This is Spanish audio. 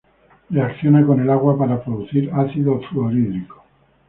Reacciona con el agua para producir ácido fluorhídrico.